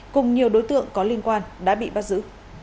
cùng nhiều đối tượng có liên quan đã bị bắt giữ